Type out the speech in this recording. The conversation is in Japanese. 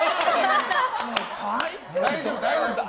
大丈夫、大丈夫。